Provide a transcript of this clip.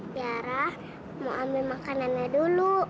diarah mau ambil makanannya dulu